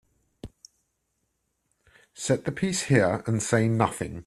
Set the piece here and say nothing.